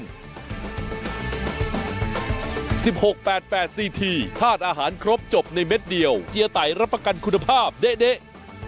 สิบหกแปดแปดซีทีธาตุอาหารครบจบในเม็ดเดียวเจียตัยรับประกันคุณภาพเด๊ะเด๊ะ